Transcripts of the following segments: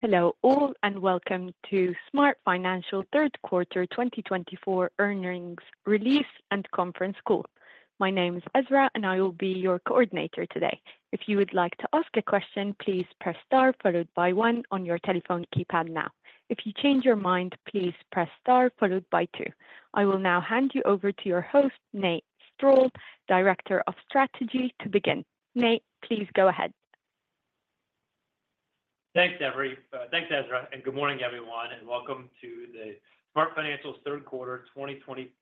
Hello all, and welcome to SmartFinancial Q3 2024 earnings release and conference call. My name is Ezra, and I will be your coordinator today. If you would like to ask a question, please press Star followed by One on your telephone keypad now. If you change your mind, please press Star followed by Two. I will now hand you over to your host, Nate Strall, Director of Strategy, to begin. Nate, please go ahead. Thanks, Ezra. Thanks, Ezra, and good morning, everyone, and welcome to the SmartFinancial's Q3 2024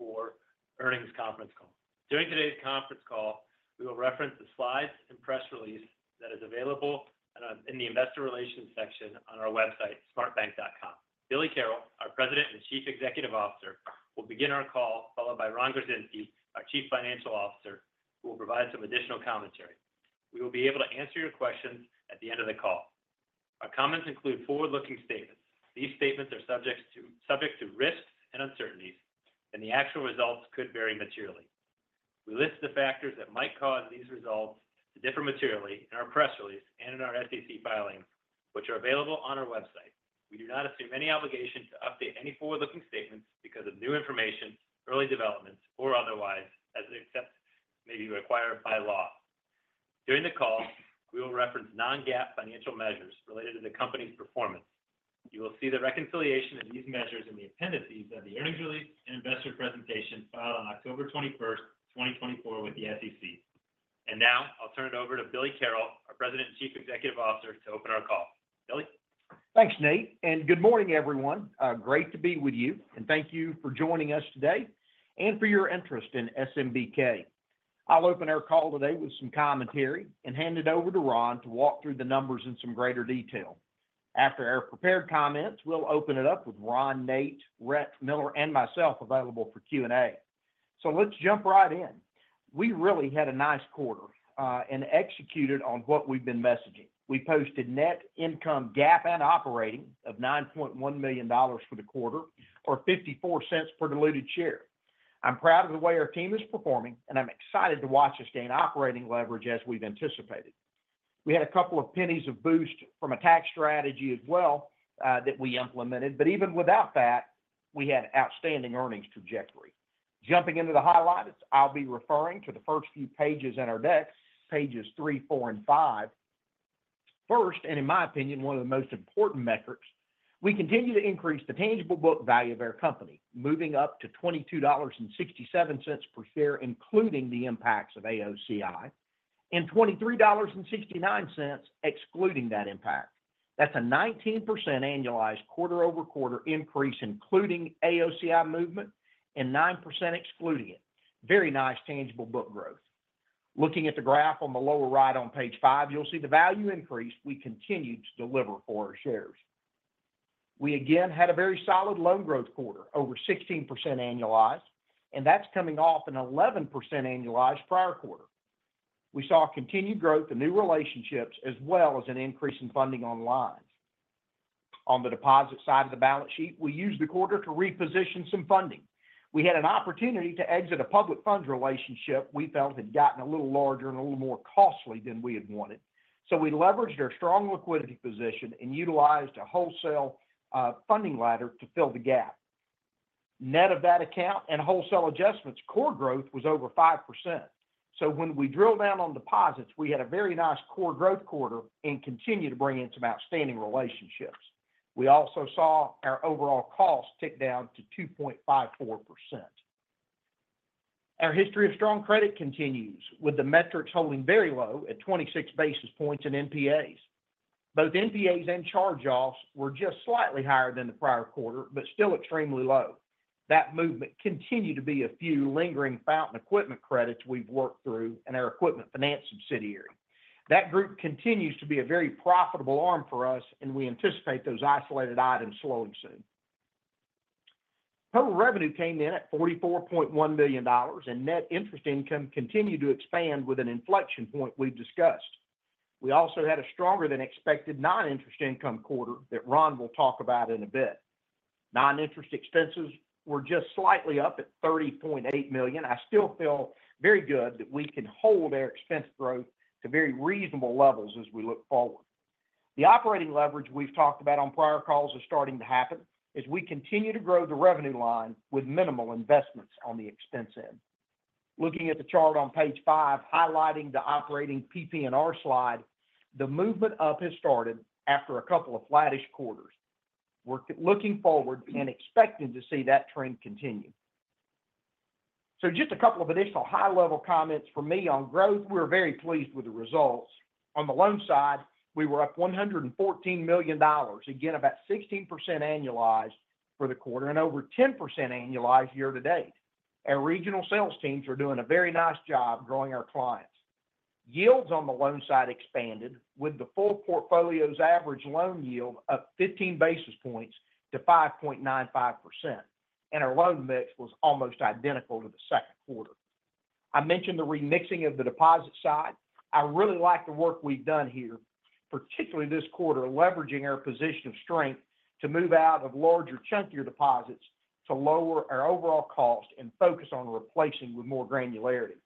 earnings conference call. During today's conference call, we will reference the slides and press release that is available in the Investor Relations section on our website, smartbank.com. Billy Carroll, our President and Chief Executive Officer, will begin our call, followed by Ron Gorzynski, our Chief Financial Officer, who will provide some additional commentary. We will be able to answer your questions at the end of the call. Our comments include forward-looking statements. These statements are subject to risks and uncertainties, and the actual results could vary materially. We list the factors that might cause these results to differ materially in our press release and in our SEC filings, which are available on our website. We do not assume any obligation to update any forward-looking statements because of new information, early developments, or otherwise, except as may be required by law. During the call, we will reference non-GAAP financial measures related to the company's performance. You will see the reconciliation of these measures in the appendices of the earnings release and investor presentation filed on October 21, 2024, with the SEC. And now I'll turn it over to Billy Carroll, our President and Chief Executive Officer, to open our call. Billy? Thanks, Nate, and good morning, everyone. Great to be with you, and thank you for joining us today and for your interest in SMBK. I'll open our call today with some commentary and hand it over to Ron to walk through the numbers in some greater detail. After our prepared comments, we'll open it up with Ron, Nate, Rhett, Miller, and myself available for Q&A. So let's jump right in. We really had a nice quarter, and executed on what we've been messaging. We posted net income GAAP and operating of $9.1 million for the quarter or $0.54 per diluted share. I'm proud of the way our team is performing, and I'm excited to watch us gain operating leverage as we've anticipated. We had a couple of pennies of boost from a tax strategy as well, that we implemented, but even without that, we had outstanding earnings trajectory. Jumping into the highlights, I'll be referring to the first few pages in our decks, pages three, four, and five. First, and in my opinion, one of the most important metrics, we continue to increase the tangible book value of our company, moving up to $22.67 per share, including the impacts of AOCI, and $23.69, excluding that impact. That's a 19% annualized quarter-over-quarter increase, including AOCI movement and 9% excluding it. Very nice tangible book growth. Looking at the graph on the lower right on page five, you'll see the value increase we continue to deliver for our shares. We again had a very solid loan growth quarter, over 16% annualized, and that's coming off an 11% annualized prior quarter. We saw continued growth in new relationships as well as an increase in funding on lines. On the deposit side of the balance sheet, we used the quarter to reposition some funding. We had an opportunity to exit a public funds relationship we felt had gotten a little larger and a little more costly than we had wanted, so we leveraged our strong liquidity position and utilized a wholesale funding ladder to fill the gap. Net of that account and wholesale adjustments, core growth was over 5%. So when we drill down on deposits, we had a very nice core growth quarter and continued to bring in some outstanding relationships, so when we drill down on deposits, we had a very nice core growth quarter and continued to bring in some outstanding relationships. We also saw our overall cost tick down to 2.54%. Our history of strong credit continues, with the metrics holding very low at 26 basis points in NPAs. Both NPAs and charge-offs were just slightly higher than the prior quarter, but still extremely low. That movement continued to be a few lingering fountain equipment credits we've worked through in our equipment finance subsidiary. That group continues to be a very profitable arm for us, and we anticipate those isolated items slowing soon. Total revenue came in at $44.1 million, and net interest income continued to expand with an inflection point we've discussed. We also had a stronger than expected non-interest income quarter that Ron will talk about in a bit. Non-interest expenses were just slightly up at $30.8 million. I still feel very good that we can hold our expense growth to very reasonable levels as we look forward. The operating leverage we've talked about on prior calls is starting to happen as we continue to grow the revenue line with minimal investments on the expense end. Looking at the chart on page 5, highlighting the operating PPNR slide, the movement up has started after a couple of flattish quarters. We're looking forward and expecting to see that trend continue, so just a couple of additional high-level comments from me on growth. We're very pleased with the results. On the loan side, we were up $114 million, again, about 16% annualized for the quarter and over 10% annualized year to date. Our regional sales teams are doing a very nice job growing our clients. Yields on the loan side expanded, with the full portfolio's average loan yield up fifteen basis points to 5.95%, and our loan mix was almost identical to the Q2. I mentioned the remixing of the deposit side. I really like the work we've done here, particularly this quarter, leveraging our position of strength to move out of larger, chunkier deposits to lower our overall cost and focus on replacing with more granularity.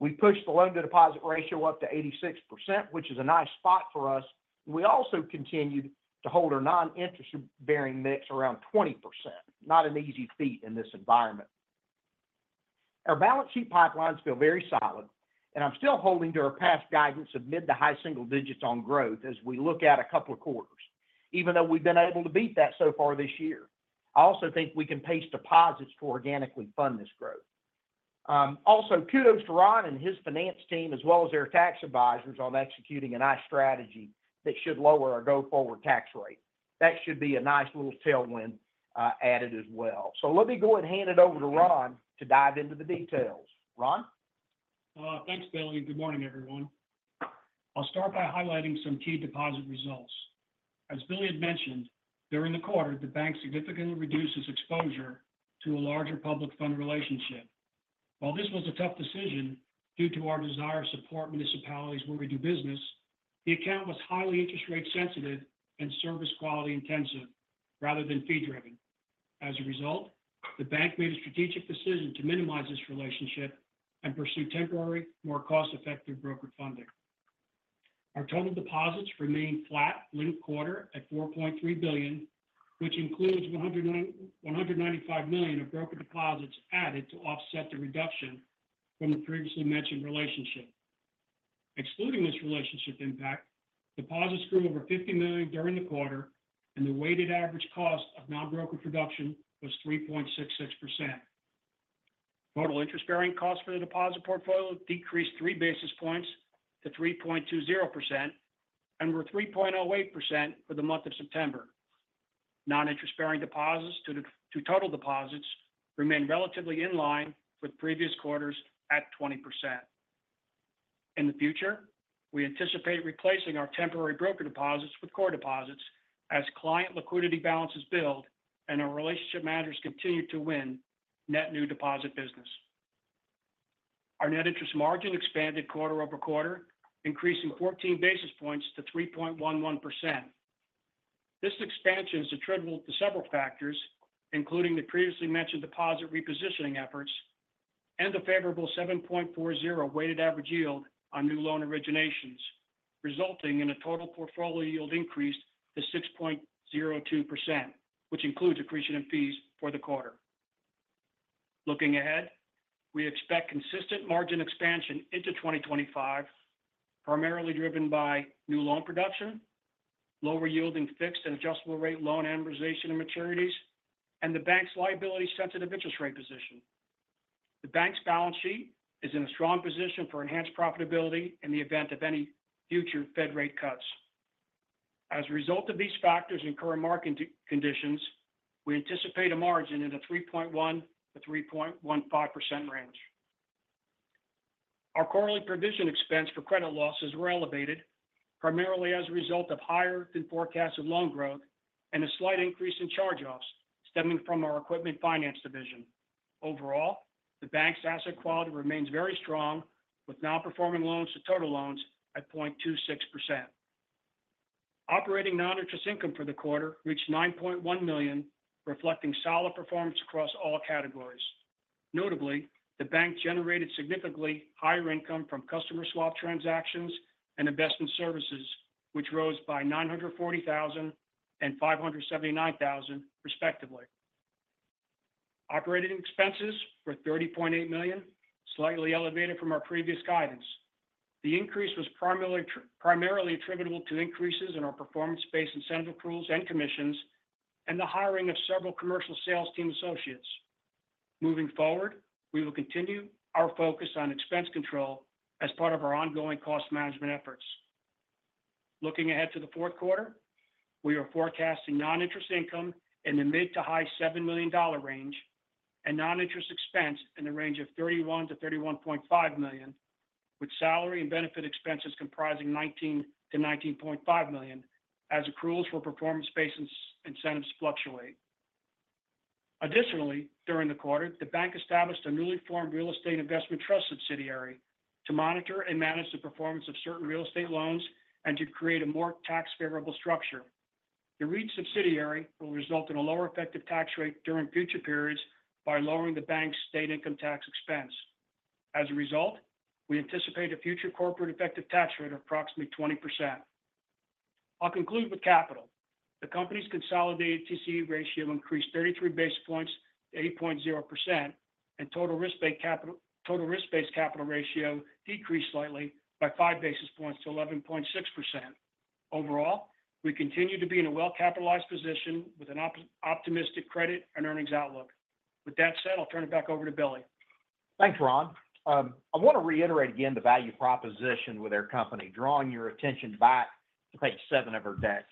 We pushed the loan-to-deposit ratio up to 86%, which is a nice spot for us. We also continued to hold our non-interest-bearing mix around 20%. Not an easy feat in this environment. Our balance sheet pipelines feel very solid, and I'm still holding to our past guidance of mid to high single digits on growth as we look at a couple of quarters, even though we've been able to beat that so far this year. I also think we can pace deposits to organically fund this growth. Also, kudos to Ron and his finance team, as well as their tax advisors, on executing a nice strategy that should lower our go-forward tax rate. That should be a nice little tailwind added as well. So let me go and hand it over to Ron to dive into the details. Ron? Thanks, Billy, and good morning, everyone. I'll start by highlighting some key deposit results. As Billy had mentioned, during the quarter, the bank significantly reduced its exposure to a larger public fund relationship. While this was a tough decision due to our desire to support municipalities where we do business, the account was highly interest rate sensitive and service quality intensive rather than fee-driving. As a result, the bank made a strategic decision to minimize this relationship and pursue temporary, more cost-effective broker funding. Our total deposits remained flat late quarter at $4.3 billion, which includes $195 million of broker deposits added to offset the reduction from the previously mentioned relationship. Excluding this relationship impact, deposits grew over 50 million during the quarter, and the weighted average cost of non-broker production was 3.66%. Total interest-bearing costs for the deposit portfolio decreased three basis points to 3.20% and were 3.08% for the month of September. Non-interest-bearing deposits to total deposits remained relatively in line with previous quarters at 20%. In the future, we anticipate replacing our temporary broker deposits with core deposits as client liquidity balances build and our relationship managers continue to win net new deposit business. Our net interest margin expanded quarter-over-quarter, increasing 14 basis points to 3.11%. This expansion is attributable to several factors, including the previously mentioned deposit repositioning efforts and a favorable 7.40 weighted average yield on new loan originations, resulting in a total portfolio yield increase to 6.02%, which includes accretion and fees for the quarter. Looking ahead, we expect consistent margin expansion into 2025, primarily driven by new loan production, lower yielding fixed and adjustable rate loan amortization and maturities, and the bank's liability sensitive interest rate position. The bank's balance sheet is in a strong position for enhanced profitability in the event of any future Fed rate cuts. As a result of these factors and current market conditions, we anticipate a margin in the 3.1%-3.15% range. Our quarterly provision expense for credit losses were elevated, primarily as a result of higher than forecasted loan growth and a slight increase in charge-offs stemming from our equipment finance division. Overall, the bank's asset quality remains very strong, with non-performing loans to total loans at 0.26%. Operating non-interest income for the quarter reached $9.1 million, reflecting solid performance across all categories. Notably, the bank generated significantly higher income from customer swap transactions and investment services, which rose by $940,000 and $579,000, respectively. Operating expenses were $30.8 million, slightly elevated from our previous guidance. The increase was primarily attributable to increases in our performance-based incentive accruals and commissions, and the hiring of several commercial sales team associates. Moving forward, we will continue our focus on expense control as part of our ongoing cost management efforts. Looking ahead to the Q4, we are forecasting non-interest income in the mid- to high-$7 million range and non-interest expense in the range of $31-$31.5 million, with salary and benefit expenses comprising $19-$19.5 million as accruals for performance-based incentives fluctuate. Additionally, during the quarter, the bank established a newly formed real estate investment trust subsidiary to monitor and manage the performance of certain real estate loans and to create a more tax favorable structure. The REIT subsidiary will result in a lower effective tax rate during future periods by lowering the bank's state income tax expense. As a result, we anticipate a future corporate effective tax rate of approximately 20%. I'll conclude with capital. The company's consolidated TCE ratio increased 33 basis points to 8.0%, and total risk-based capital ratio decreased slightly by five basis points to 11.6%. Overall, we continue to be in a well-capitalized position with an optimistic credit and earnings outlook. With that said, I'll turn it back over to Billy. Thanks, Ron. I want to reiterate again the value proposition with our company, drawing your attention back to page seven of our deck.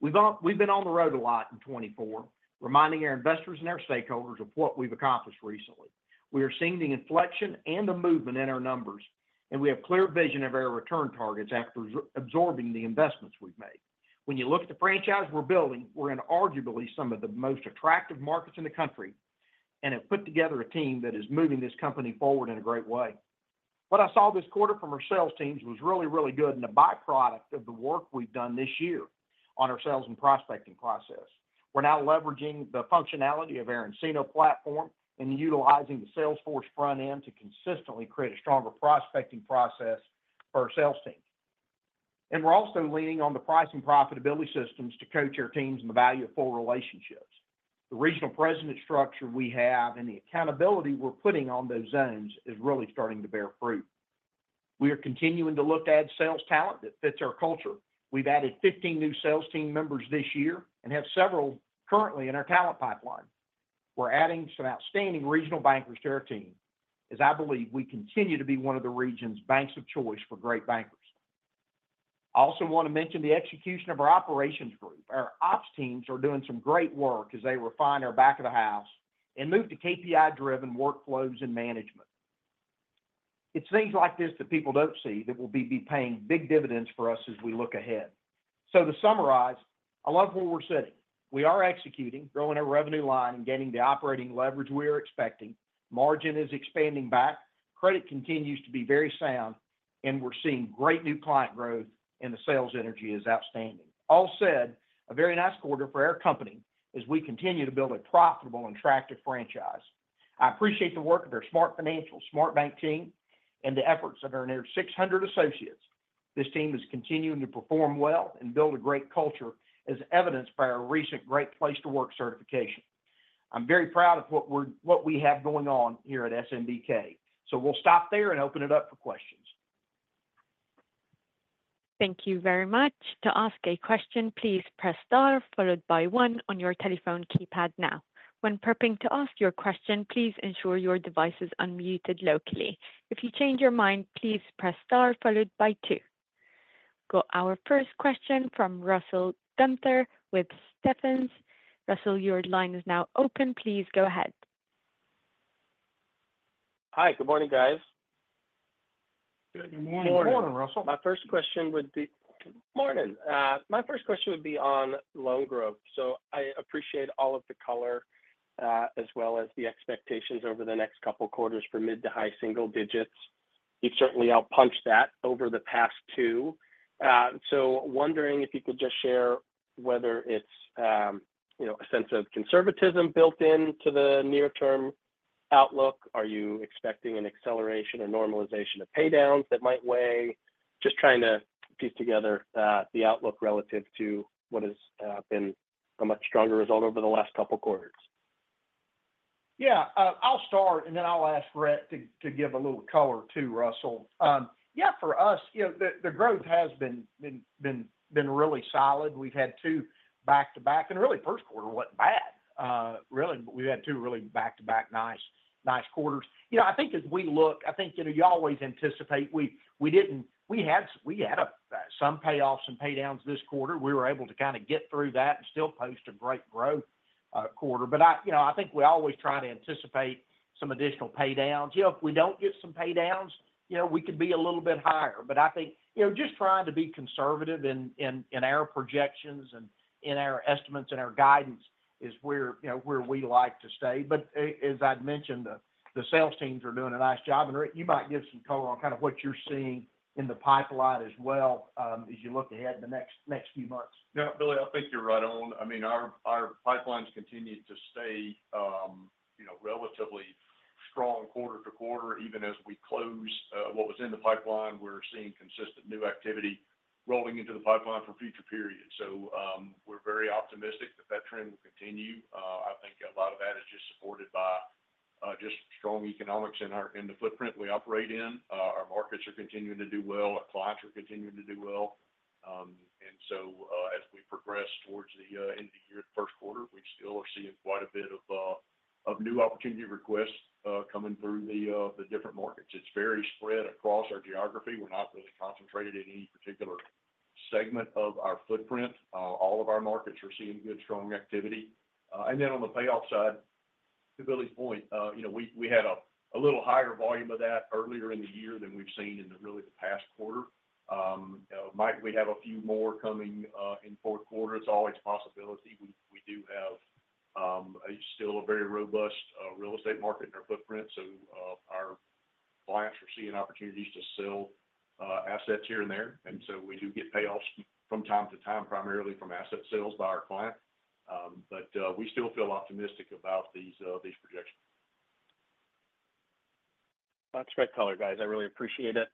We've been on the road a lot in 2024, reminding our investors and our stakeholders of what we've accomplished recently. We are seeing the inflection and the movement in our numbers, and we have clear vision of our return targets after absorbing the investments we've made. When you look at the franchise we're building, we're in arguably some of the most attractive markets in the country, and have put together a team that is moving this company forward in a great way. What I saw this quarter from our sales teams was really, really good and a byproduct of the work we've done this year on our sales and prospecting process. We're now leveraging the functionality of our nCino platform and utilizing the Salesforce front end to consistently create a stronger prospecting process for our sales team. And we're also leaning on the pricing profitability systems to coach our teams in the value of full relationships. The regional president structure we have, and the accountability we're putting on those zones, is really starting to bear fruit. We are continuing to look to add sales talent that fits our culture. We've added 15 new sales team members this year, and have several currently in our talent pipeline. We're adding some outstanding regional bankers to our team, as I believe we continue to be one of the region's banks of choice for great bankers. I also want to mention the execution of our operations group. Our ops teams are doing some great work as they refine our back of the house and move to KPI-driven workflows and management. It's things like this that people don't see, that will be paying big dividends for us as we look ahead. So to summarize, I love where we're sitting. We are executing, growing our revenue line, and gaining the operating leverage we are expecting. Margin is expanding back, credit continues to be very sound, and we're seeing great new client growth, and the sales energy is outstanding. All said, a very nice quarter for our company as we continue to build a profitable and attractive franchise. I appreciate the work of our SmartFinancial SmartBank team and the efforts of our near six hundred associates. This team is continuing to perform well and build a great culture, as evidenced by our recent Great Place to Work certification. I'm very proud of what we have going on here at SMBK. So we'll stop there and open it up for questions. Thank you very much. To ask a question, please press star followed by one on your telephone keypad now. When prepping to ask your question, please ensure your device is unmuted locally. If you change your mind, please press star followed by two. Got our first question from Russell Gunther with Stephens. Russell, your line is now open. Please go ahead. Hi, good morning, guys. Good morning. Good morning, Russell. My first question would be... Morning! My first question would be on loan growth. So I appreciate all of the color, as well as the expectations over the next couple quarters for mid to high single digits. You've certainly outpunched that over the past two. So wondering if you could just share whether it's, you know, a sense of conservatism built into the near-term outlook. Are you expecting an acceleration or normalization of paydowns that might weigh? Just trying to piece together the outlook relative to what has been a much stronger result over the last couple quarters. Yeah, I'll start, and then I'll ask Rhett to give a little color, too, Russell. Yeah, for us, you know, the growth has been really solid. We've had two back-to-back, and really, Q1 wasn't bad, really, but we've had two really back-to-back nice quarters. You know, I think as we look, I think, you know, you always anticipate. We didn't, we had some payoffs and paydowns this quarter. We were able to kind of get through that and still post a great growth quarter. But, you know, I think we always try to anticipate some additional paydowns. You know, if we don't get some paydowns, you know, we could be a little bit higher. But I think, you know, just trying to be conservative in our projections and in our estimates and our guidance is where, you know, where we like to stay. But as I'd mentioned, the sales teams are doing a nice job. Rhett, you might give some color on kind of what you're seeing in the pipeline as well, as you look ahead in the next few months. Yeah, Billy, I think you're right on. I mean, our pipelines continue to stay, you know, relatively strong quarter to quarter. Even as we close what was in the pipeline, we're seeing consistent new activity rolling into the pipeline for future periods. So, we're very optimistic that that trend will continue. I think a lot of that is just supported by just strong economics in our in the footprint we operate in. Our markets are continuing to do well, our clients are continuing to do well. And so, as we progress towards the end of the year, Q1, we still are seeing quite a bit of new opportunity requests coming through the the different markets. It's very spread across our geography. We're not really concentrated in any particular segment of our footprint. All of our markets are seeing good, strong activity. And then on the payoff side, to Billy's point, you know, we had a little higher volume of that earlier in the year than we've seen, really, in the past quarter. Might we have a few more coming in Q4? It's always a possibility. We do have still a very robust real estate market in our footprint, so our clients are seeing opportunities to sell assets here and there. And so we do get payoffs from time to time, primarily from asset sales by our clients. But we still feel optimistic about these projections. That's great color, guys. I really appreciate it.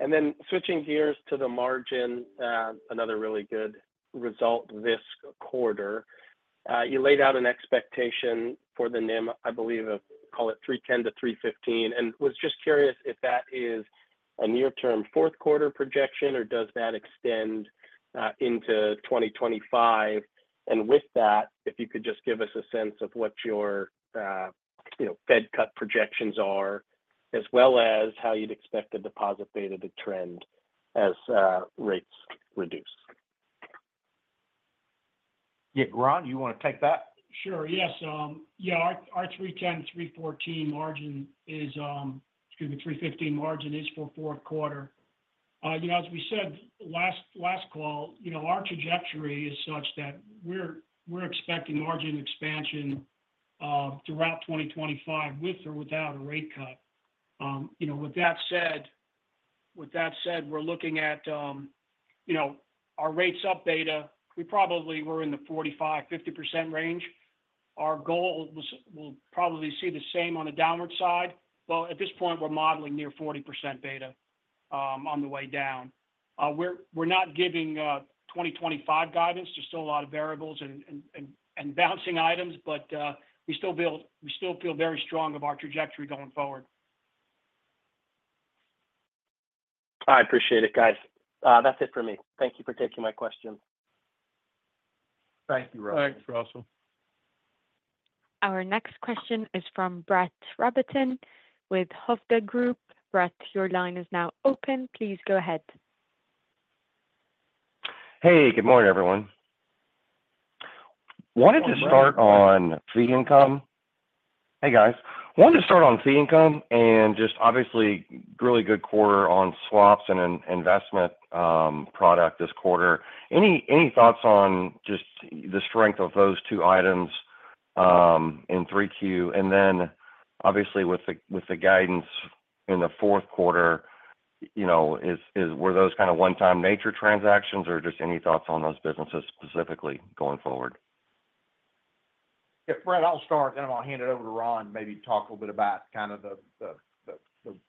And then switching gears to the margin, another really good result this quarter. You laid out an expectation for the NIM, I believe, call it three ten to three fifteen, and was just curious if that is a near-term Q4 projection, or does that extend into 2025? And with that, if you could just give us a sense of what your, you know, Fed cut projections are, as well as how you'd expect the deposit beta to trend as rates reduce. Yeah, Ron, you want to take that? Sure, yes. Yeah, our 3.10, 3.14 margin is, excuse me, 3.15 margin is for Q4. You know, as we said last call, you know, our trajectory is such that we're expecting margin expansion throughout 2025, with or without a rate cut. You know, with that said. With that said, we're looking at, you know, our rates up beta. We probably were in the 45%-50% range. Our goal was, we'll probably see the same on the downward side. Well, at this point, we're modeling near 40% beta on the way down. We're not giving 2025 guidance. There's still a lot of variables and balancing items, but we still feel very strong of our trajectory going forward. I appreciate it, guys. That's it for me. Thank you for taking my question. Thank you, Russell. Thanks, Russell. Our next question is from Brett Rabatin with Hovde Group. Brett, your line is now open. Please go ahead. Hey, good morning, everyone. Wanted to start on fee income. Hey, guys. Wanted to start on fee income, and just obviously, really good quarter on swaps and investment product this quarter. Any thoughts on just the strength of those two items in Q3? And then obviously, with the guidance in the Q4, you know, were those kind of one-time nature transactions, or just any thoughts on those businesses specifically going forward? Yeah, Brett, I'll start, then I'm gonna hand it over to Ron, maybe talk a little bit about kind of the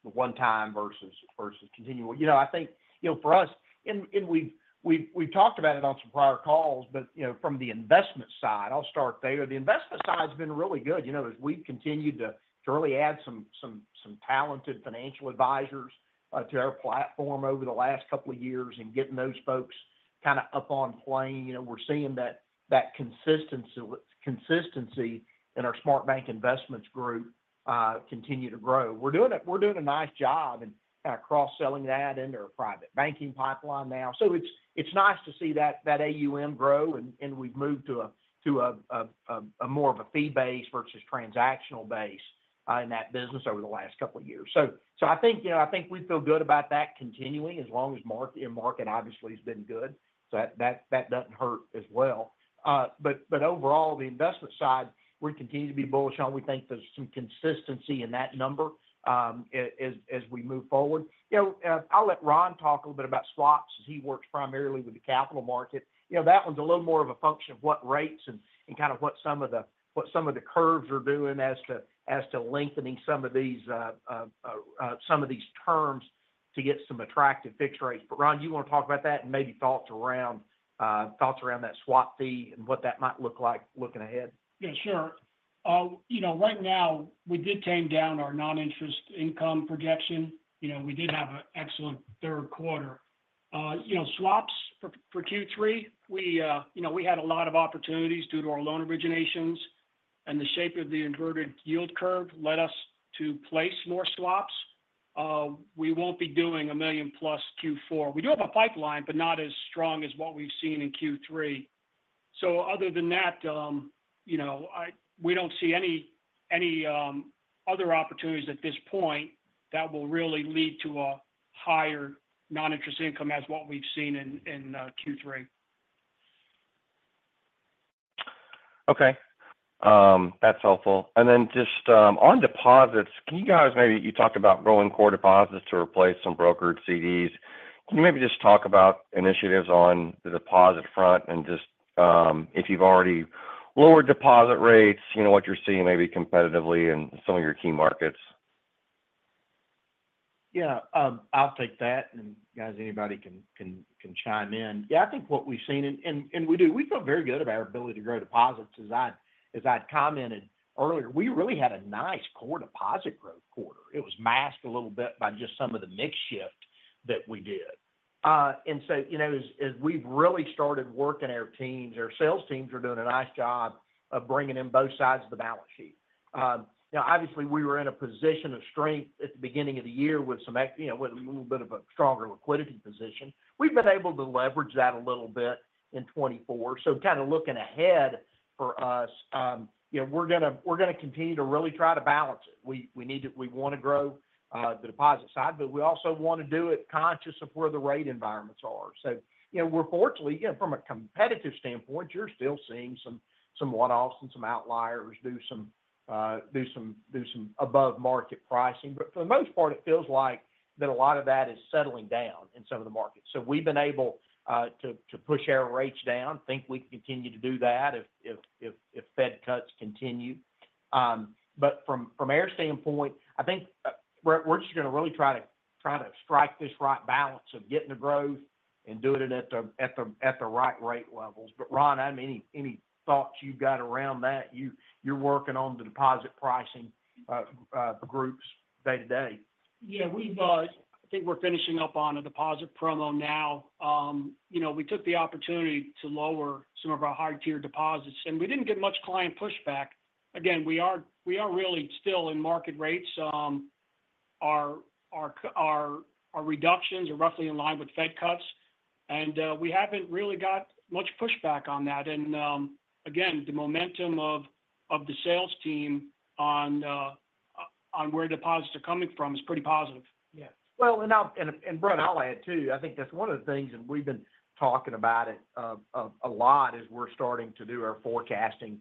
one time versus continual. You know, I think, you know, for us, and we've talked about it on some prior calls, but, you know, from the investment side, I'll start there. The investment side's been really good. You know, as we've continued to really add some talented financial advisors to our platform over the last couple of years and getting those folks kind of up on plane, you know, we're seeing that consistency in our SmartBank Investments group continue to grow. We're doing a nice job in kind of cross-selling that into our private banking pipeline now. So it's nice to see that AUM grow, and we've moved to a more of a fee base versus transactional base in that business over the last couple of years. So I think, you know, we feel good about that continuing as long as market, and market obviously has been good, so that doesn't hurt as well. But overall, the investment side, we continue to be bullish on. We think there's some consistency in that number as we move forward. You know, I'll let Ron talk a little bit about swaps, as he works primarily with the capital market. You know, that one's a little more of a function of what rates and kind of what some of the curves are doing as to lengthening some of these terms to get some attractive fixed rates. But, Ron, do you want to talk about that and maybe thoughts around that swap fee and what that might look like looking ahead? Yeah, sure. You know, right now, we did tone down our non-interest income projection. You know, we did have an excellent Q3. You know, swaps for Q3, we you know, we had a lot of opportunities due to our loan originations, and the shape of the inverted yield curve led us to place more swaps. We won't be doing a million plus Q4. We do have a pipeline, but not as strong as what we've seen in Q3. So other than that, you know, I, we don't see any other opportunities at this point that will really lead to a higher non-interest income as what we've seen in Q3. Okay. That's helpful and then just on deposits, can you guys maybe you talked about growing core deposits to replace some brokered CDs. Can you maybe just talk about initiatives on the deposit front and just, if you've already lowered deposit rates, you know, what you're seeing maybe competitively in some of your key markets? Yeah, I'll take that, and guys, anybody can chime in. Yeah, I think what we've seen and we do, we feel very good about our ability to grow deposits. As I'd commented earlier, we really had a nice core deposit growth quarter. It was masked a little bit by just some of the mix shift that we did. And so, you know, as we've really started working our teams, our sales teams are doing a nice job of bringing in both sides of the balance sheet. Now, obviously, we were in a position of strength at the beginning of the year with you know, with a little bit of a stronger liquidity position. We've been able to leverage that a little bit in 2024. So kind of looking ahead for us, you know, we're gonna continue to really try to balance it. We want to grow the deposit side, but we also want to do it conscious of where the rate environments are. So, you know, we're fortunately, you know, from a competitive standpoint, you're still seeing some one-offs and some outliers do some above market pricing. But for the most part, it feels like that a lot of that is settling down in some of the markets. So we've been able to push our rates down. Think we can continue to do that if Fed cuts continue. But from our standpoint, I think we're just gonna really try to strike this right balance of getting the growth and doing it at the right rate levels. But, Ron, any thoughts you've got around that? You're working on the deposit pricing groups day to day. Yeah, we've, I think we're finishing up on a deposit promo now. You know, we took the opportunity to lower some of our high-tier deposits, and we didn't get much client pushback. Again, we are really still in market rates, so our reductions are roughly in line with Fed cuts, and we haven't really got much pushback on that. Again, the momentum of the sales team on where deposits are coming from is pretty positive. Yeah. Well, and I'll add, too, Brett, I think that's one of the things, and we've been talking about it a lot as we're starting to do our forecasting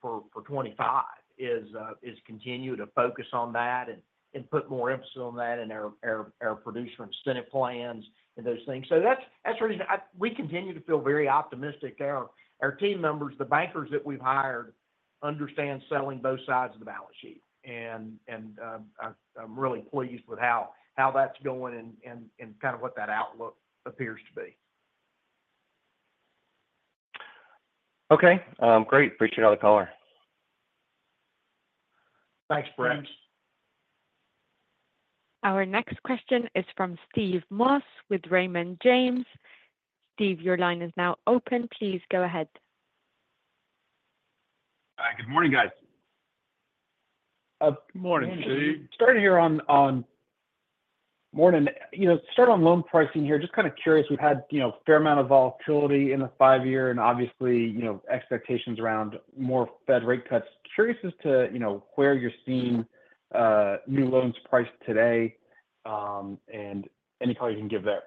for 2025, is continue to focus on that and put more emphasis on that in our producer incentive plans and those things. So that's the reason. We continue to feel very optimistic. Our team members, the bankers that we've hired, understand selling both sides of the balance sheet. And I, I'm really pleased with how that's going and kind of what that outlook appears to be. Okay. Great. Appreciate all the color. Thanks, Brett. Thanks. Our next question is from Steve Moss with Raymond James. Steve, your line is now open. Please go ahead. Good morning, guys. Good morning, Steve. Morning. Morning. You know, start on loan pricing here. Just kind of curious, we've had, you know, a fair amount of volatility in the five-year and obviously, you know, expectations around more Fed rate cuts. Curious as to, you know, where you're seeing new loans priced today, and any color you can give there?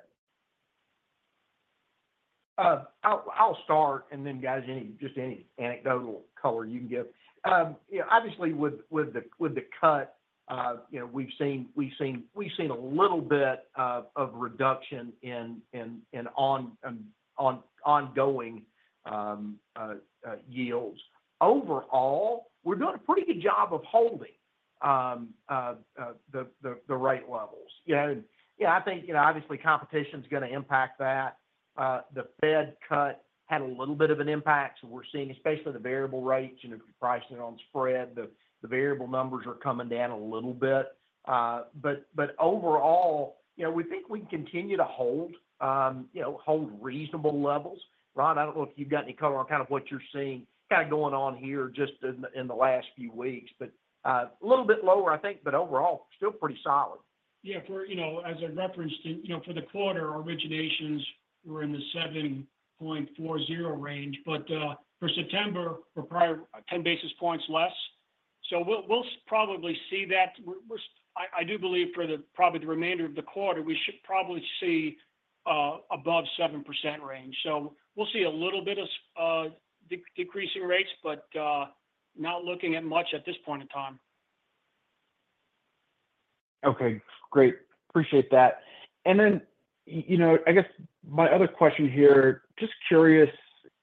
I'll start, and then, guys, any just any anecdotal color you can give. You know, obviously, with the cut, you know, we've seen a little bit of reduction in ongoing yields. Overall, we're doing a pretty good job of holding the rate levels. Yeah, I think, you know, obviously competition's gonna impact that. The Fed cut had a little bit of an impact, so we're seeing, especially the variable rates, you know, if you're pricing it on spread, the variable numbers are coming down a little bit. But overall, you know, we think we can continue to hold, you know, hold reasonable levels. Ron, I don't know if you've got any color on kind of what you're seeing kind of going on here just in the last few weeks, but a little bit lower, I think, but overall, still pretty solid. Yeah, for, you know, as I referenced, you know, for the quarter, our originations were in the seven point four zero range, but for September, we're prior ten basis points less. So we'll probably see that. I do believe for probably the remainder of the quarter, we should probably see above 7% range. So we'll see a little bit of decreasing rates, but not looking at much at this point in time. Okay, great. Appreciate that. And then, you know, I guess my other question here, just curious,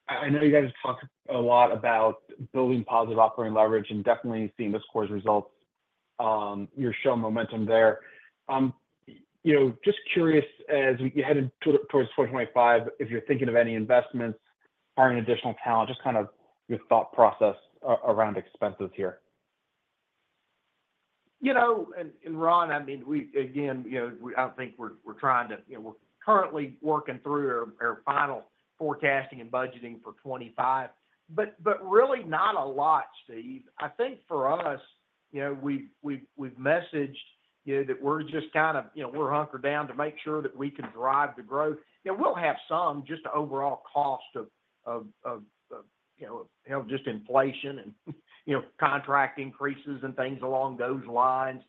I know you guys talk a lot about building positive operating leverage, and definitely seeing this quarter's results, you're showing momentum there. You know, just curious, as we head towards 2025, if you're thinking of any investments, hiring additional talent, just kind of your thought process around expenses here. You know, and Ron, I mean, we again, you know, we think we're trying to. You know, we're currently working through our final forecasting and budgeting for 2025, but really not a lot, Steve. I think for us, you know, we've messaged that we're just kind of hunkered down to make sure that we can drive the growth. You know, we'll have some just overall cost of inflation and contract increases and things along those lines.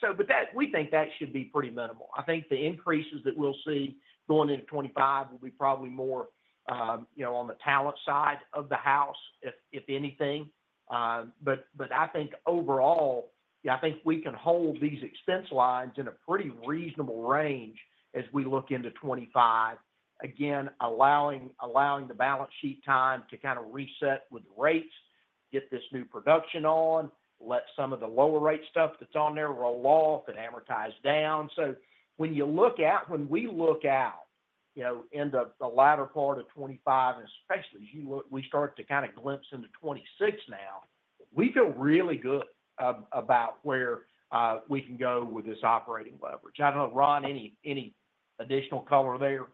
So, but that we think that should be pretty minimal. I think the increases that we'll see going into 2025 will be probably more on the talent side of the house, if anything. But I think overall, yeah, I think we can hold these expense lines in a pretty reasonable range as we look into 2025. Again, allowing the balance sheet time to kind of reset with rates, get this new production on, let some of the lower rate stuff that's on there roll off and amortize down. So when you look out, when we look out, you know, into the latter part of 2025, and especially as you look, we start to kind of glimpse into 2026 now, we feel really good about where we can go with this operating leverage. I don't know, Ron, any additional color there?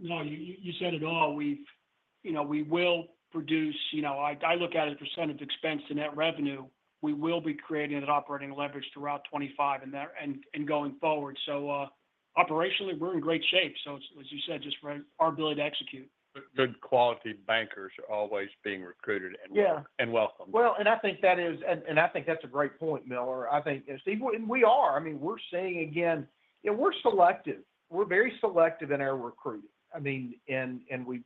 No, you said it all. You know, we will produce. You know, I look at it as a percentage expense to net revenue. We will be creating an operating leverage throughout 2025 and there and going forward. So, operationally, we're in great shape. So as you said, just around our ability to execute. Good quality bankers are always being recruited. Yeah - and welcome. I think that's a great point, Miller. I think, Steve, and we are. I mean, we're saying again, you know, we're selective. We're very selective in our recruiting. I mean,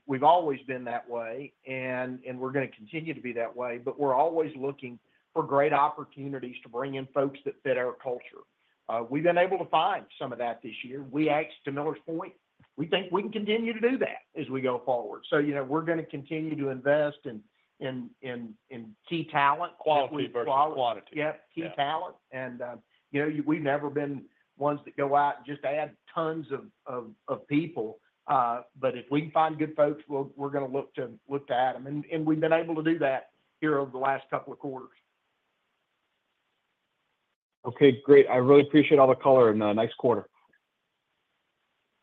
we've always been that way, and we're gonna continue to be that way, but we're always looking for great opportunities to bring in folks that fit our culture. We've been able to find some of that this year. As to Miller's point, we think we can continue to do that as we go forward. So, you know, we're gonna continue to invest in key talent- Quality versus quantity. Yep, key talent. Yeah. You know, we've never been ones to go out and just add tons of people. But if we can find good folks, we're gonna look to add them. And we've been able to do that here over the last couple of quarters. Okay, great. I really appreciate all the color and, nice quarter.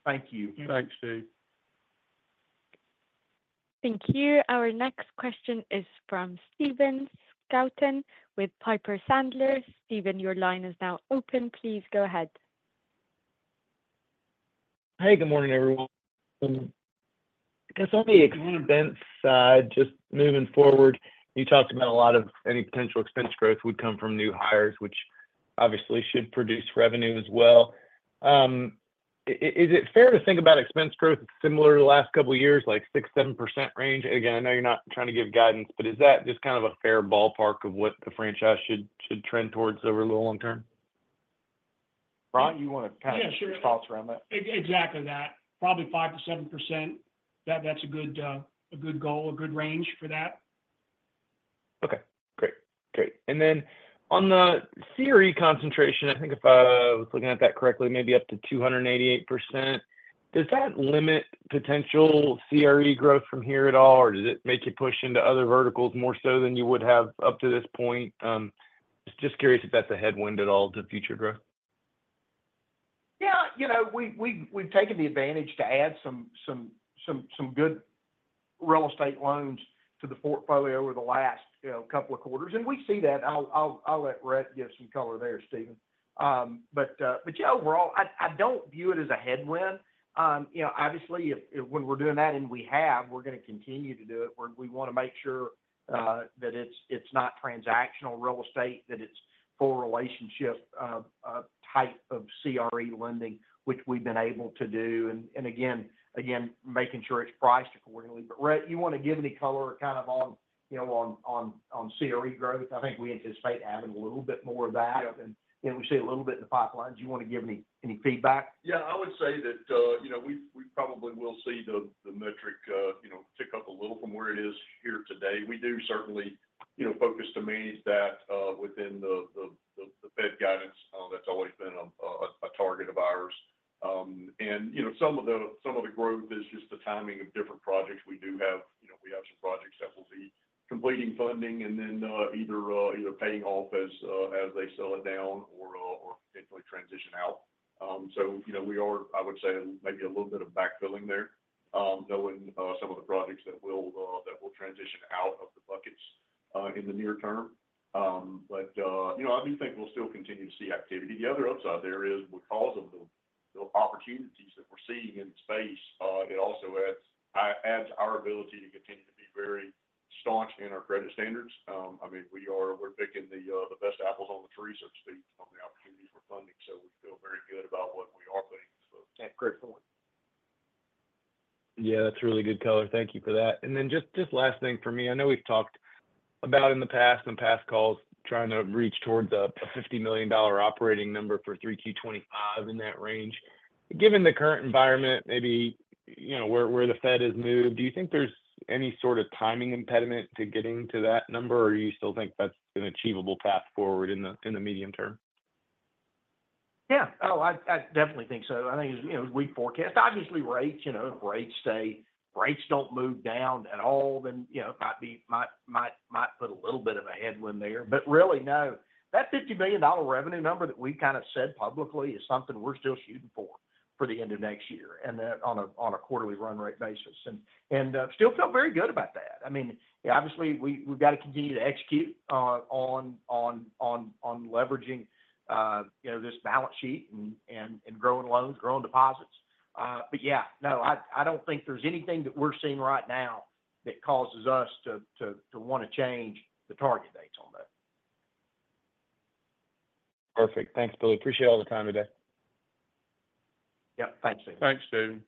Thank you. Thanks, Steve. Thank you. Our next question is from Stephen Scouten with Piper Sandler. Stephen, your line is now open. Please go ahead.... Hey, good morning, everyone. I guess on the expense side, just moving forward, you talked about a lot of any potential expense growth would come from new hires, which obviously should produce revenue as well. Is it fair to think about expense growth similar to the last couple of years, like 6%-7% range? Again, I know you're not trying to give guidance, but is that just kind of a fair ballpark of what the franchise should trend towards over the long term? Ron, you wanna kind of- Yeah, sure. Your thoughts around that. Exactly that. Probably 5%-7%. That, that's a good, a good goal, a good range for that. Okay, great. Great. And then on the CRE concentration, I think if I was looking at that correctly, maybe up to 288%. Does that limit potential CRE growth from here at all, or does it make you push into other verticals more so than you would have up to this point? Just curious if that's a headwind at all to future growth? Yeah, you know, we've taken the advantage to add some good real estate loans to the portfolio over the last, you know, couple of quarters, and we see that. I'll let Rhett give some color there, Stephen. But yeah, overall, I don't view it as a headwind. You know, obviously, if when we're doing that, we're gonna continue to do it, we wanna make sure that it's not transactional real estate, that it's for relationship type of CRE lending, which we've been able to do. And again, making sure it's priced accordingly. But Rhett, you want to give any color kind of on, you know, on CRE growth? I think we anticipate adding a little bit more of that. Yep. We see a little bit in the pipelines. You want to give any feedback? Yeah, I would say that, you know, we probably will see the metric, you know, tick up a little from where it is here today. We do certainly, you know, focus to manage that within the Fed guidance. That's always been a target of ours, and you know, some of the growth is just the timing of different projects. We do have, you know, some projects that will be completing funding and then either paying off as they sell it down or potentially transition out, so you know, we are, I would say, maybe a little bit of backfilling there, knowing some of the projects that will transition out of the buckets in the near term. But, you know, I do think we'll still continue to see activity. The other upside there is because of the opportunities that we're seeing in space, it also adds to our ability to continue to be very staunch in our credit standards. I mean, we're picking the best apples on the trees, so to speak, on the opportunities for funding, so we feel very good about what we are putting. So- Yeah, great point. Yeah, that's really good color. Thank you for that. And then just, just last thing for me. I know we've talked about in the past, on past calls, trying to reach towards a $50 million operating number for 3Q 2025 in that range. Given the current environment, maybe, you know, where, where the Fed has moved, do you think there's any sort of timing impediment to getting to that number, or you still think that's an achievable path forward in the, in the medium term? Yeah. Oh, I definitely think so. I think, you know, we forecast, obviously, rates, you know, if rates stay, rates don't move down at all, then, you know, might put a little bit of a headwind there, but really, no. That $50 million revenue number that we kind of said publicly is something we're still shooting for, for the end of next year, and that on a quarterly run rate basis. And still feel very good about that. I mean, obviously, we, we've got to continue to execute on leveraging, you know, this balance sheet and growing loans, growing deposits. But yeah, no, I don't think there's anything that we're seeing right now that causes us to want to change the target dates on that. Perfect. Thanks, Billy. Appreciate all the time today. Yep. Thanks, Steve. Thanks, Steven.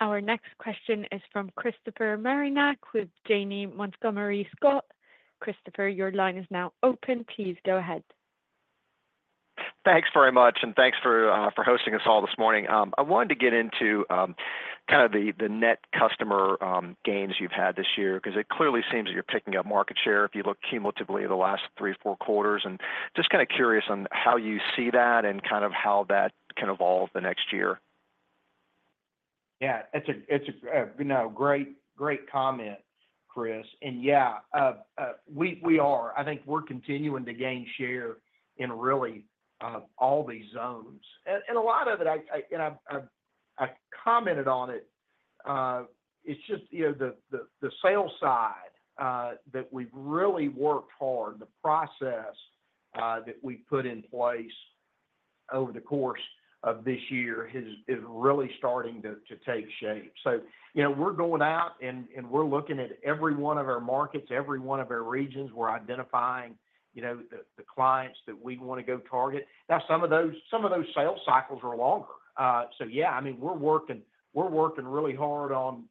Our next question is from Christopher Marinac, with Janney Montgomery Scott. Christopher, your line is now open. Please go ahead. Thanks very much, and thanks for hosting us all this morning. I wanted to get into kind of the net customer gains you've had this year, because it clearly seems that you're picking up market share, if you look cumulatively at the last three, four quarters, and just kind of curious on how you see that and kind of how that can evolve the next year. Yeah, it's a, it's a, you know, great, great comment, Chris. And yeah, we are. I think we're continuing to gain share in really all these zones. And a lot of it, I-- and I've commented on it, it's just, you know, the sales side that we've really worked hard, the process that we put in place over the course of this year has-- is really starting to take shape. So, you know, we're going out and we're looking at every one of our markets, every one of our regions. We're identifying, you know, the clients that we want to go target. Now, some of those sales cycles are longer. So yeah, I mean, we're working really hard on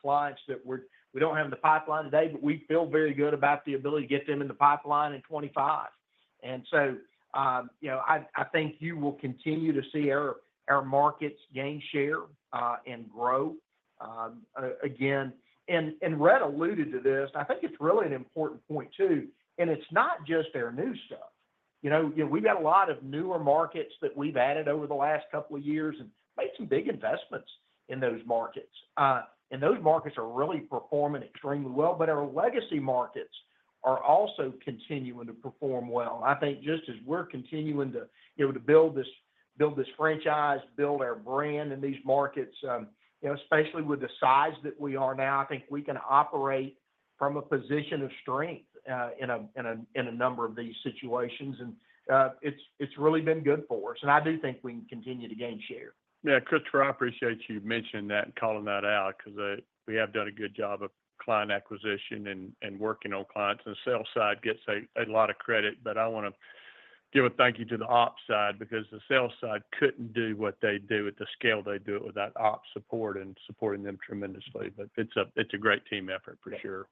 clients that we don't have in the pipeline today, but we feel very good about the ability to get them in the pipeline in 2025. And so you know, I think you will continue to see our markets gain share and grow again. And Rhett alluded to this, I think it's really an important point, too, and it's not just our new stuff. You know, we've got a lot of newer markets that we've added over the last couple of years and made some big investments in those markets. And those markets are really performing extremely well, but our legacy markets are also continuing to perform well. I think just as we're continuing to, you know, to build this, build this franchise, build our brand in these markets, you know, especially with the size that we are now, I think we can operate from a position of strength in a number of these situations. And it's really been good for us, and I do think we can continue to gain share. Yeah, Christopher, I appreciate you mentioning that and calling that out, 'cause we have done a good job of client acquisition and working on clients. The sales side gets a lot of credit, but I wanna give a thank you to the ops side, because the sales side couldn't do what they do at the scale they do it without ops support and supporting them tremendously. But it's a great team effort, for sure.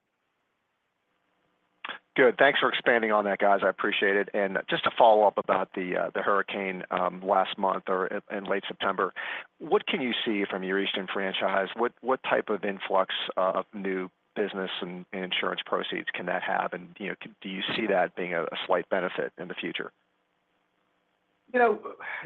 Good. Thanks for expanding on that, guys. I appreciate it. And just to follow up about the hurricane last month or in late September, what can you see from your Eastern franchise? What type of influx of new business and insurance proceeds can that have? And, you know, do you see that being a slight benefit in the future? You know,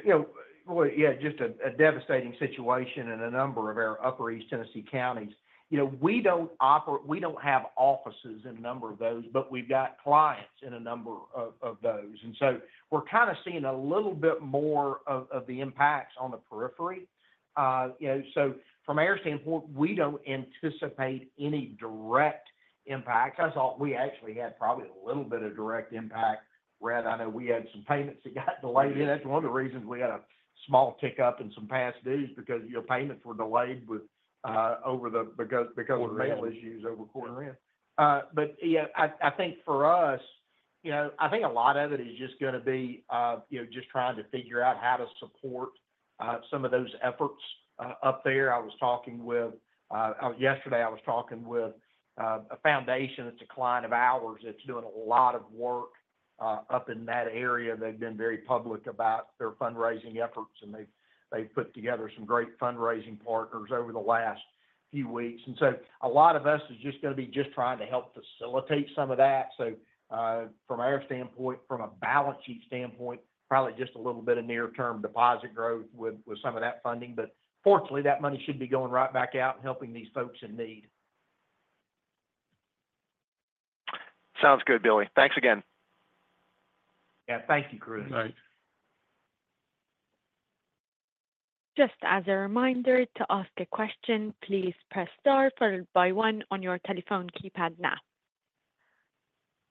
you know, well, yeah, just a devastating situation in a number of our Upper East Tennessee counties. You know, we don't have offices in a number of those, but we've got clients in a number of those. And so we're kind of seeing a little bit more of the impacts on the periphery. You know, so from our standpoint, we don't anticipate any direct impact. I thought we actually had probably a little bit of direct impact, Rhett. I know we had some payments that got delayed. Yeah. That's one of the reasons we had a small tick-up in some past dues, because, you know, payments were delayed. Quarter end... because of mail issues over quarter end, but yeah, I think for us, you know, I think a lot of it is just gonna be, you know, just trying to figure out how to support some of those efforts up there. I was talking with a foundation yesterday that's a client of ours, that's doing a lot of work up in that area. They've been very public about their fundraising efforts, and they've put together some great fundraising partners over the last few weeks, and so a lot of us is just gonna be just trying to help facilitate some of that, so from our standpoint, from a balance sheet standpoint, probably just a little bit of near-term deposit growth with some of that funding. But fortunately, that money should be going right back out and helping these folks in need. Sounds good, Billy. Thanks again. Yeah, thank you, Chris. Thanks. Just as a reminder, to ask a question, please press star followed by one on your telephone keypad now.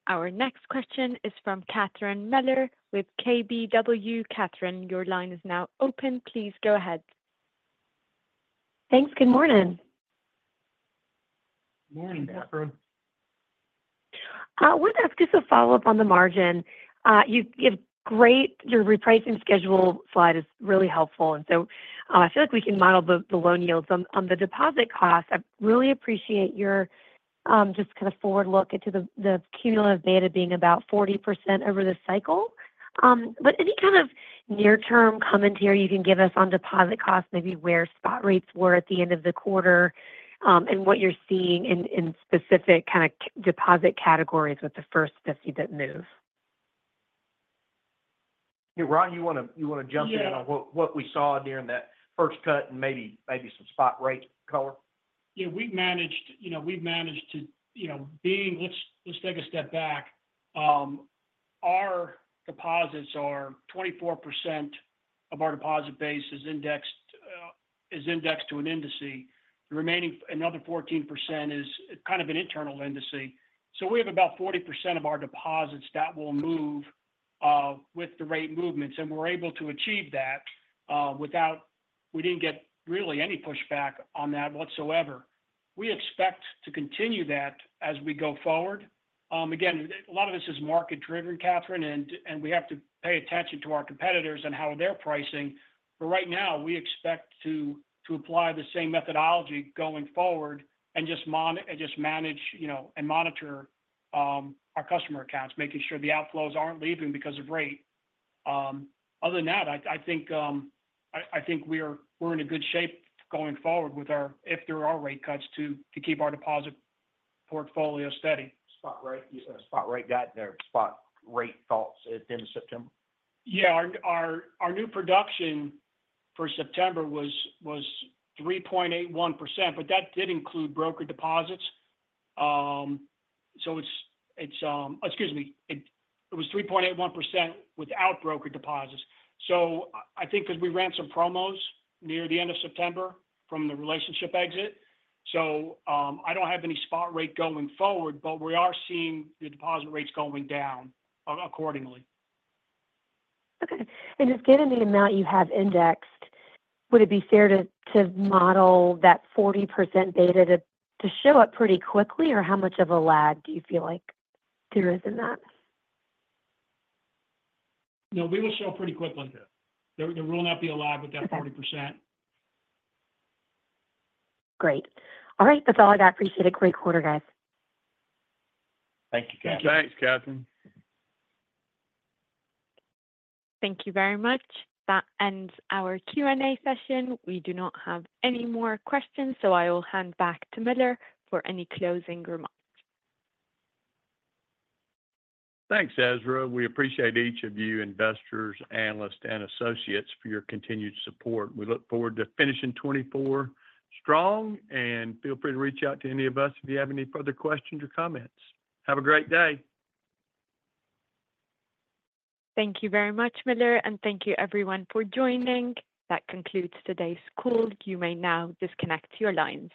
Our next question is from Catherine Mealor with KBW. Catherine, your line is now open. Please go ahead. Thanks. Good morning. Morning, Catherine. Wanted to ask just a follow-up on the margin. You give great... Your repricing schedule slide is really helpful, and so I feel like we can model the loan yields. On the deposit cost, I really appreciate your just kind of forward look into the cumulative beta being about 40% over the cycle. But any kind of near-term commentary you can give us on deposit costs, maybe where spot rates were at the end of the quarter, and what you're seeing in specific kind of CD deposit categories with the first 50 that move? Hey, Ron, you wanna jump in- Yeah... on what we saw during that first cut and maybe some spot rate color? Yeah, we've managed, you know, we've managed to, you know. Let's take a step back. Our deposits are 24% of our deposit base is indexed to indices. The remaining, another 14% is kind of an internal indices. So we have about 40% of our deposits that will move with the rate movements, and we're able to achieve that without. We didn't get really any pushback on that whatsoever. We expect to continue that as we go forward. Again, a lot of this is market driven, Catherine, and we have to pay attention to our competitors and how they're pricing. But right now, we expect to apply the same methodology going forward and just manage, you know, and monitor our customer accounts, making sure the outflows aren't leaving because of rate. Other than that, I think we're in good shape going forward with our, if there are rate cuts, to keep our deposit portfolio steady. Spot rate? You said a spot rate got there. Spot rate thoughts at the end of September? Yeah. Our new production for September was 3.81%, but that did include broker deposits. So it was 3.81% without broker deposits. So I think 'cause we ran some promos near the end of September from the relationship exit, so I don't have any spot rate going forward, but we are seeing the deposit rates going down accordingly. Okay. And just given the amount you have indexed, would it be fair to model that 40% beta to show up pretty quickly? Or how much of a lag do you feel like there is in that? No, we will show up pretty quickly. There will not be a lag with that 40%. Okay. Great. All right, that's all I got. Appreciate it. Great quarter, guys. Thank you, Catherine. Thanks, Catherine. Thank you very much. That ends our Q&A session. We do not have any more questions, so I will hand back to Miller for any closing remarks. Thanks, Ezra. We appreciate each of you investors, analysts, and associates for your continued support. We look forward to finishing 2024 strong, and feel free to reach out to any of us if you have any further questions or comments. Have a great day! Thank you very much, Miller, and thank you everyone for joining. That concludes today's call. You may now disconnect your lines.